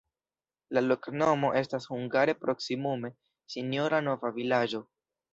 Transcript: La loknomo estas hungare proksimume: sinjora-nova-vilaĝo.